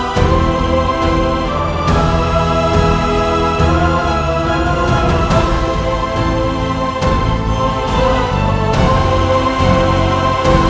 tidak adalah men ukraine